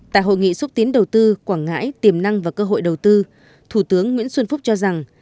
tại hội nghị xúc tiến đầu tư quảng ngãi tiềm năng và cơ hội đầu tư thủ tướng nguyễn xuân phúc cho rằng